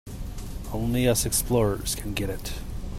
Only us explorers can get it.